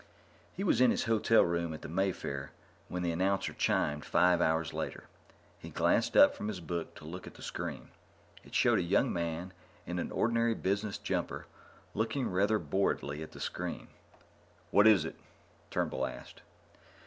He was in his hotel room at the Mayfair when the announcer chimed, five hours later. He glanced up from his book to look at the screen. It showed a young man in an ordinary business jumper, looking rather boredly at the screen. "What is it?" Turnbull asked.